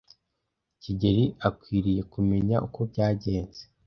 kigeli akwiriye kumenya uko byagenze.